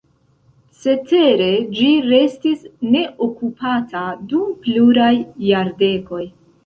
Cetere ĝi restis neokupata dum pluraj jardekoj.